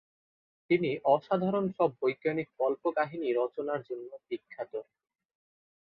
তিনি অসাধারণ সব বৈজ্ঞানিক কল্পকাহিনী রচনার জন্য বিখ্যাত।